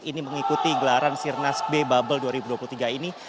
ini mengikuti gelaran sirnas b bubble dua ribu dua puluh tiga ini